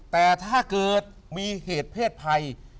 แต่ถ้าเกิดมีเหตุเพศภัย